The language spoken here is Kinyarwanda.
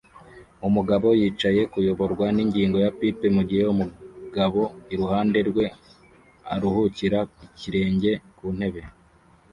Umugabo yicaye kuyoborwa ningingo ya pipe mugihe umugabo iruhande rwe aruhukira ikirenge kuntebe